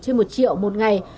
trên một triệu một ngày